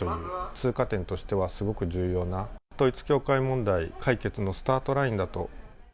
通過点としてはすごく重要な、統一教会問題解決のスタートラインだと。